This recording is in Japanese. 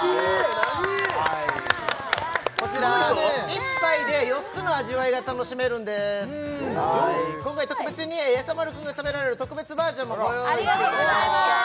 こちら１杯で４つの味わいが楽しめるんです今回特別にやさ丸くんが食べられる特別バージョンもご用意してくれましたありがとうございます